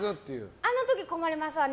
あの時困りますよね。